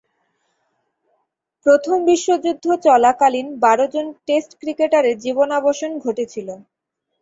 প্রথম বিশ্বযুদ্ধ চলাকালীন বারোজন টেস্ট ক্রিকেটারের জীবনাবসান ঘটেছিল।